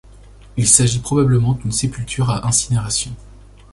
Il s'agit probablement d'une sépulture à incinération.